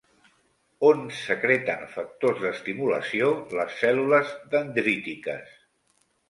On secreten factors d'estimulació les cèl·lules dendrítiques?